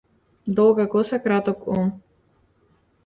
Долга коса краток ум.